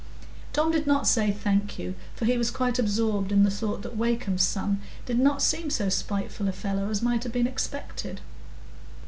Tom did not say "Thank you," for he was quite absorbed in the thought that Wakem's son did not seem so spiteful a fellow as might have been expected.